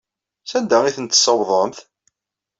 Sanda ay tent-tessawḍemt?